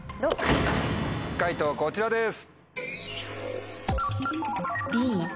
解答こちらです。